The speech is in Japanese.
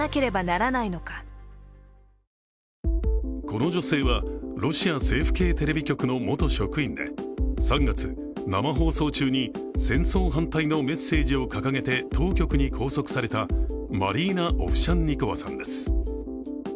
この女性はロシア政府系テレビ局の元職員で３月、生放送中に戦争反対のメッセージを掲げて当局に拘束されたマリーナ・オフシャンニコワさんです。